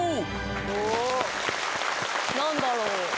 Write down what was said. おお何だろう？